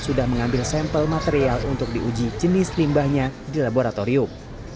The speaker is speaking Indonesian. sudah mengambil sampel material untuk diuji jenis limbahnya di laboratorium